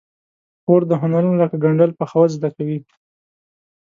خور د هنرونو لکه ګنډل، پخول زده کوي.